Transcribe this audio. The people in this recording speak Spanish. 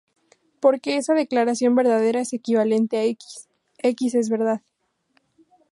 Porque esa declaración verdadera es equivalente a X, X es verdad.